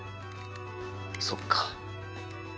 そっか。